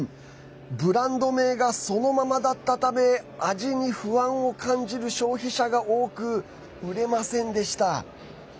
ブランド名がそのままだったため味に不安を感じる消費者が多く売れませんでした。